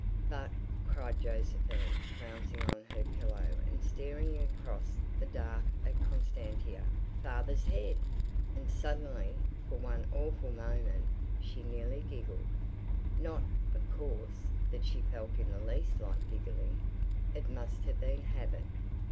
"But," cried Josephine, flouncing on her pillow and staring across the dark at Constantia, "father's head!" And suddenly, for one awful moment, she nearly giggled. Not, of course, that she felt in the least like giggling. It must have been habit.